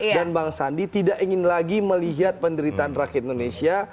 dan bang sandi tidak ingin lagi melihat penderitaan rakyat indonesia